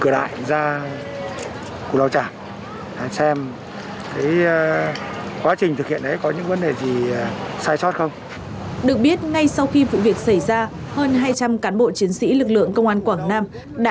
được biết ngay sau khi vụ việc xảy ra hơn hai trăm linh cán bộ chiến sĩ lực lượng công an quảng nam đã